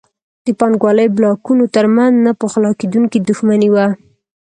د پانګوالۍ بلاکونو ترمنځ نه پخلاکېدونکې دښمني وه.